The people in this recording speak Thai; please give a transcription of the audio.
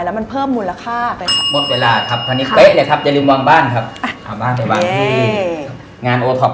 เท่ากันอยู่ไหม